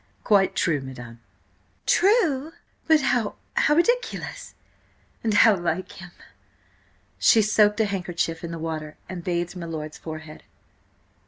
"Quite true, madam." "True? But how–how ridiculous–and how like him!" She soaked a handkerchief in the water, and bathed my lord's forehead.